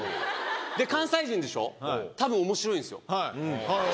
で関西人でしょ多分面白いんですよ。